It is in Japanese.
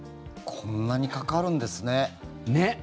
こんなにかかるんですね。